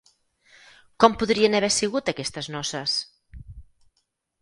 Com podrien haver sigut aquestes noces?